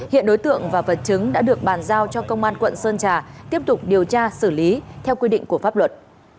hiện đối tượng và vật chứng đã được bàn giao cho công an quận sơn trà tiếp tục điều tra xử lý theo quy định của pháp luật